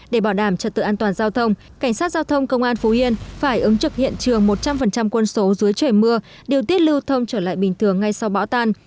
để bảo đảm trật tự an toàn giao thông cảnh sát giao thông công an phú yên phải ứng trực hiện trường một trăm linh quân số dưới trời mưa điều tiết lưu thông trở lại bình thường ngay sau bão tan